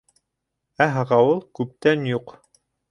Ә һағауыл... күптән юҡ.